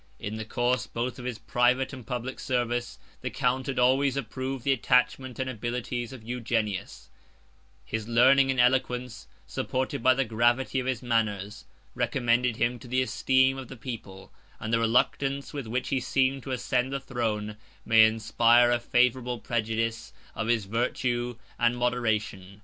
In the course, both of his private and public service, the count had always approved the attachment and abilities of Eugenius; his learning and eloquence, supported by the gravity of his manners, recommended him to the esteem of the people; and the reluctance with which he seemed to ascend the throne, may inspire a favorable prejudice of his virtue and moderation.